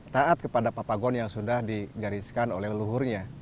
taat kepada papagon yang sudah digariskan oleh leluhurnya